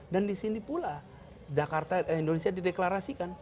dan di sini pula jakarta indonesia dideklarasikan